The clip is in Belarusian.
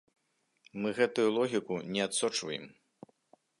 Мы гэтую логіку не адсочваем.